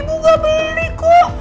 ibu enggak beli kok